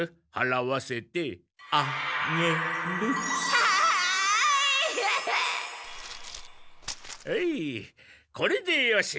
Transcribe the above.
はいこれでよし。